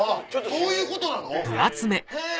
そういうことなの⁉へぇ！